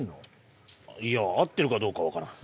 いや合ってるかどうかはわからん。